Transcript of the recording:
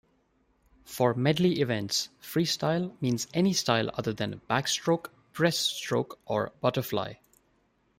For medley events, freestyle means any style other than backstroke, breaststroke or butterfly.